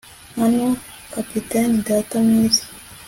hano kapiteni! data mwiza